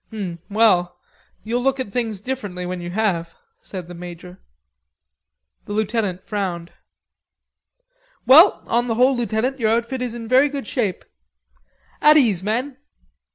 "Hum, well.... You'll look at things differently when you have," said the major. The lieutenant frowned. "Well, on the whole, lieutenant, your outfit is in very good shape.... At ease, men!"